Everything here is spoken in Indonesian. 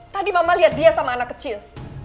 tadi mama lihat dia sama anak kecil